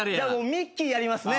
ミッキーやりますね。